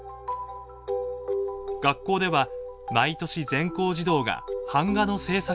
学校では毎年全校児童が板画の制作を行っています。